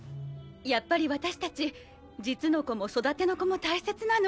やっぱり私たち実の子も育ての子も大切なの。